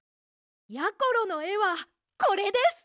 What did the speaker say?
やころのえはこれです！